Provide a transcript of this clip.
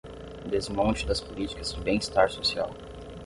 Desmonte das políticas de bem estar social